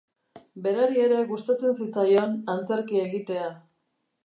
Berari ere gustatzen zitzaion antzerki egitea!